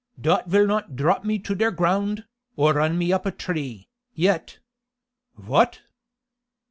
Dot vill not drop me to der ground, or run me up a tree, yet! Vot?"